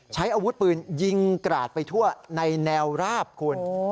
ใช้อาวุธปืนยิงกราดไปทั่วในแนวราบคุณ